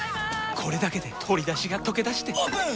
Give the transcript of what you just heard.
これだけで鶏だしがとけだしてオープン！